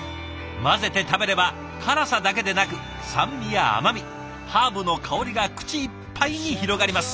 混ぜて食べれば辛さだけでなく酸味や甘みハーブの香りが口いっぱいに広がります。